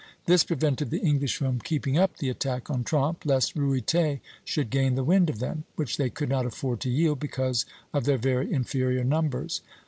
This prevented the English from keeping up the attack on Tromp, lest Ruyter should gain the wind of them, which they could not afford to yield because of their very inferior numbers.